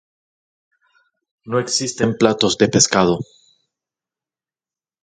No existen platos de pescado.